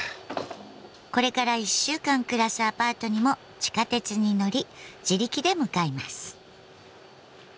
これから１週間暮らすアパートにも地下鉄に乗り自力で向かいます。